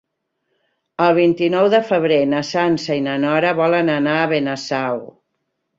El vint-i-nou de febrer na Sança i na Nora volen anar a Benasau.